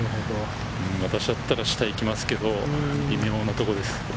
私だったら下行きますけど微妙なところです。